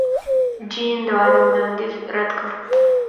جین د واده وړاندیز رد کړ.